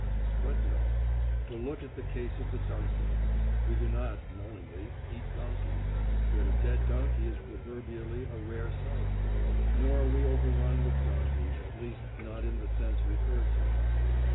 But no; for look at the case of the donkey. We do not (knowingly) eat donkeys, yet a dead donkey is proverbially a rare sight. Nor are we overrun with donkeys—at least, not in the sense referred to.